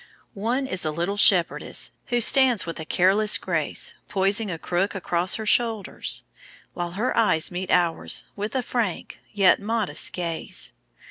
One is a Little Shepherdess, who stands with careless grace poising a crook across her shoulders, while her eyes meet ours with a frank yet modest gaze.